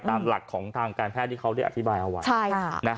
ตามหลักของทางการแพทย์ที่เขาได้อธิบายเอาไว้